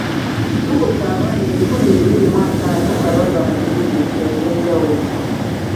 Tukutte abaana ebikumi bibiri mu ataano nga bava mu disitulikiti ez’enjawulo.